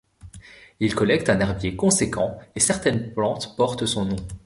Il collecte un herbier conséquent, et certaines plantes portent son nom.